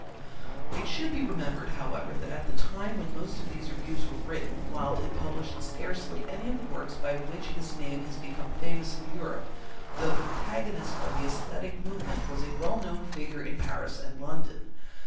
It should be remembered, however, that at the time when most of these reviews were written Wilde had published scarcely any of the works by which his name has become famous in Europe, though the protagonist of the aesthetic movement was a well known figure in Paris and London.